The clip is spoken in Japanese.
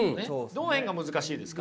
どの辺が難しいですか？